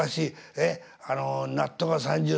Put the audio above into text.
えっ「納豆が３０」